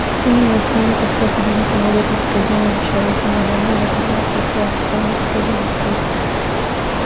Kumi na tano katika kijiji kimoja kaskazini-mashariki mwa Jamhuri ya Kidemokrasi ya Kongo siku ya Jumapili